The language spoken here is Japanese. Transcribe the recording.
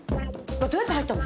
これどうやって入ったの？